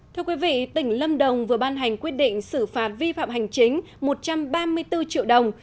thưa quý vị tỉnh lâm đồng vừa ban hành quyết định xử phạt vi phạm hành chính một trăm ba mươi bốn triệu đồng